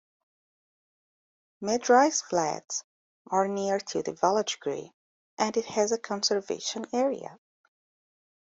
Mid-rise flats are near to the village green and it has a conservation area.